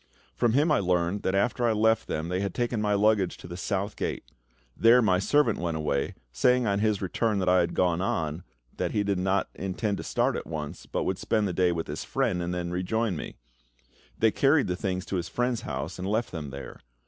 From him I learned that after I left them they had taken my luggage to the South Gate; there my servant went away, saying on his return that I had gone on, that he did not intend to start at once, but would spend the day with his friend, and then rejoin me; they carried the things to this friend's house, and left them there.